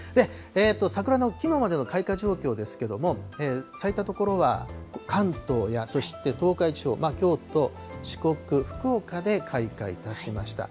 桜のきのうまでの開花状況ですけれども、咲いた所は関東やそして東海地方、京都、四国、福岡で開花いたしました。